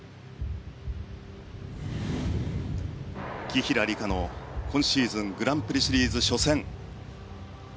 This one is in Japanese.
紀平梨花の今シーズングランプリシリーズ初戦。